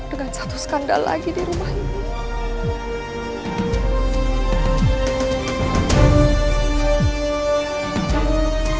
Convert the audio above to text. dengan satu skandal lagi di rumah ini